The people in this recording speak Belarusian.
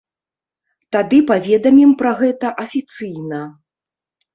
Тады паведамім пра гэта афіцыйна.